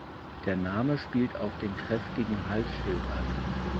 Der Name spielt auf den kräftigen Halsschild an.